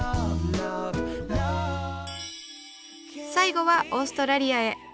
最後はオーストラリアへ。